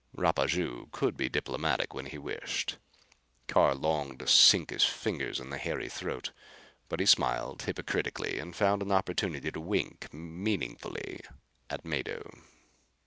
Rapaju could be diplomatic when he wished. Carr longed to sink his fingers in the hairy throat. But he smiled hypocritically and found an opportunity to wink meaningly at Mado.